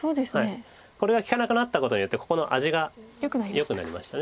これが利かなくなったことによってここの味がよくなりました。